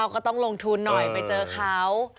ก็ต้องลงทุนหน่อยไปเจอเขา